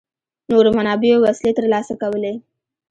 نورو منابعو وسلې ترلاسه کولې.